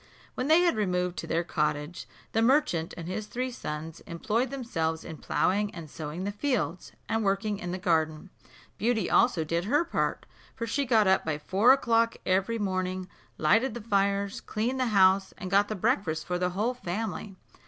When they had removed to their cottage, the merchant and his three sons employed themselves in ploughing and sowing the fields, and working in the garden. Beauty also did her part, for she got up by four o'clock every morning, lighted the fires, cleaned the house, and got the breakfast for the whole family.